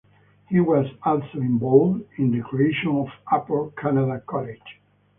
He was also involved in the creation of Upper Canada College.